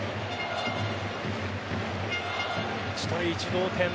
１対１、同点。